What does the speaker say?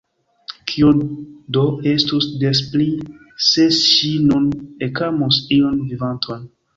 Kio do estus des pli, se ŝi nun ekamus iun vivanton!